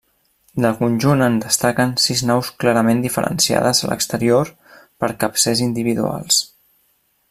Del conjunt en destaquen sis naus clarament diferenciades a l'exterior per capcers individuals.